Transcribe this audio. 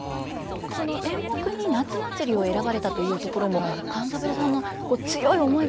その演目に「夏祭」を選ばれたというところも勘三郎さんの強い思いがあったんでしょうか？